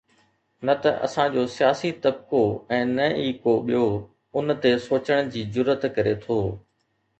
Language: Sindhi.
نه ته اسان جو سياسي طبقو ۽ نه ئي ڪو ٻيو ان تي سوچڻ جي جرئت ڪري ٿو.